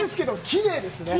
きれいですね。